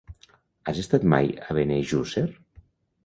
Has estat mai a Benejússer?